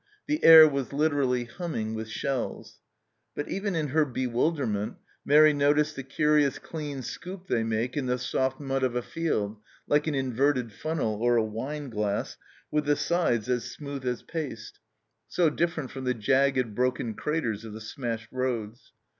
The air was literally humming with shells. But even in her bewilderment Mairi noticed the curious clean scoop they make in the soft mud of a field, like an inverted funnel or a wine glass, with the sides as smooth as paste so different from the jagged, broken craters of the smashed roads.